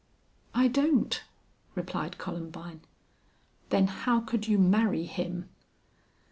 "I don't" replied Columbine. "Then how could you marry him?"